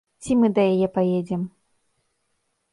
Ці мы да яе паедзем.